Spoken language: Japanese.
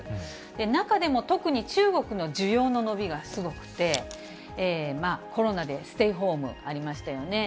中でも特に中国の需要の伸びがすごくて、コロナでステイホームありましたよね。